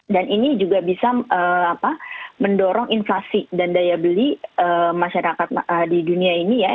dan ini juga bisa mendorong inflasi dan daya beli masyarakat di dunia ini ya